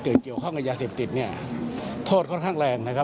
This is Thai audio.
เกี่ยวข้องกับยาเสพติดเนี่ยโทษค่อนข้างแรงนะครับ